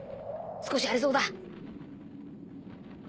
少し荒れそうだ。